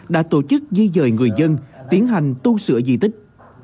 đã tổ chức di dời người dân tiến hành tu sửa di tích